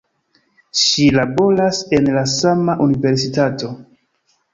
Ŝi laboras en la sama universitato.